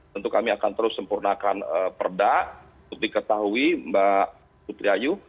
tentu kami akan terus sempurnakan perda untuk diketahui mbak putri ayu